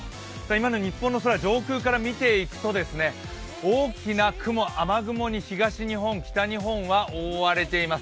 今の日本の空、上空から見ていくと大きな雨雲に北日本、東日本は覆われています。